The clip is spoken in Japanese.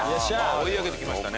追い上げてきましたね。